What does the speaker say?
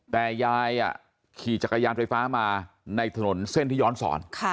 แต่ยายขี่จักรยานไฟฟ้ามาในถนนเส้นที่ย้อนสอน